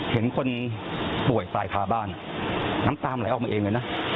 เห็นคนป่วยฝ่ายค้าบ้านน้ำตาไหลออกมาเองเลยนะ